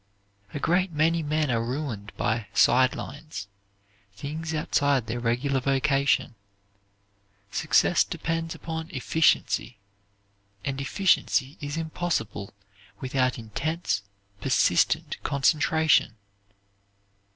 A great many men are ruined by "side lines" things outside their regular vocation. Success depends upon efficiency, and efficiency is impossible without intense, persistent concentration.